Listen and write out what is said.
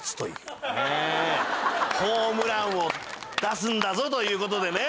ホームランを出すんだぞという事でね。